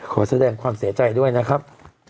ขอแสดงความเสียใจด้วยนะครับ